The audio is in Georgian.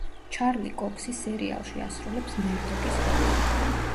ჩარლი კოქსი სერიალში ასრულებს მერდოკის როლს.